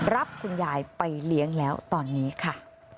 รับคุณยายไปเลี้ยงแล้วตอนนี้ค่ะ